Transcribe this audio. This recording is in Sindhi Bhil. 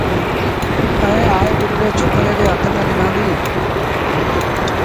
ائيٚݩ آئي پنڊري ڇوڪري ري هٿ ميݩ ڏنآݩديٚ